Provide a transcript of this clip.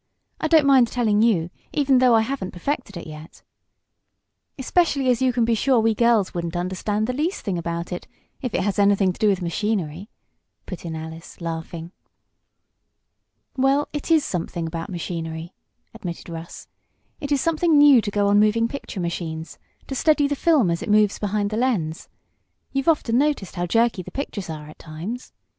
"I don't mind telling you, even though I haven't perfected it yet." "Especially as you can be sure we girls wouldn't understand the least thing about it if it has anything to do with machinery," put in Alice, laughing. "Well, it is something about machinery," admitted Russ. "It is something new to go on moving picture machines, to steady the film as it moves behind the lens. You've often noticed how jerky the pictures are at times?"